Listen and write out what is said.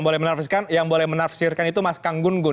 betul mas arief yang boleh menafsirkan itu mas kang gung gun